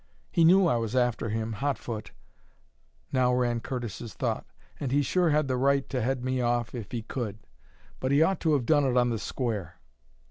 "He knew I was after him, hot foot," now ran Curtis's thought, "and he sure had the right to head me off if he could. But he ought to have done it on the square!"